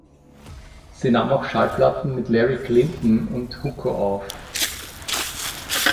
Sie nahm auch Schallplatten mit Larry Clinton und Hucko auf.